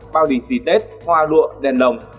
bao đỉnh xì tết hoa lụa đèn đồng